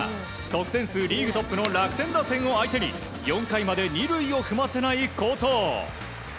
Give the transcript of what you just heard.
得点数リーグトップの楽天打線を相手に４回まで２塁を踏ませない好投。